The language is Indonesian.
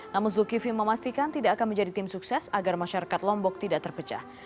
namun zulkifli memastikan tidak akan menjadi tim sukses agar masyarakat lombok tidak terpecah